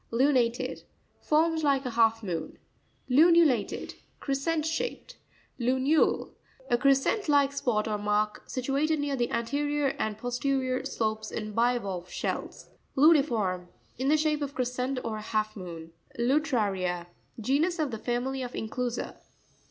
Lv'natep.—Formed like a half moon. Lunu'Latep.—Crescent shaped. Lu'nute.—A_crescent like spot or mark situated near the anterior and posterior slopes in bivalve shells. Lu'ntrorm.—In the shape of a cres cent or half moon. Lurra'r1a.—Genus of the family of Inclusa.